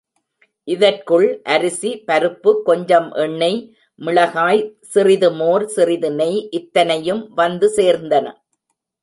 இதற்குள் அரிசி, பருப்பு, கொஞ்சம் எண்ணெய், மிளகாய், சிறிது மோர், சிறிது நெய் இத்தனையும் வந்து சேர்ந்தன.